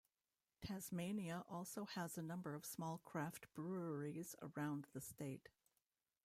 Tasmania also has a number of small craft breweries around the state.